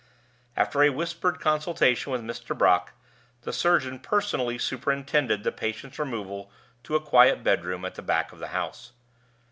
After a whispered consultation with Mr. Brock, the surgeon personally superintended the patient's removal to a quiet bedroom at the back of the house.